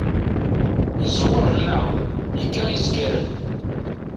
Yezzwer lmaεun, yegga izgaren.